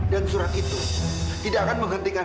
dan surat itu tidak akan menghentikan